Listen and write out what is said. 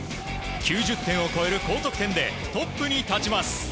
９０点を超える高得点でトップに立ちます。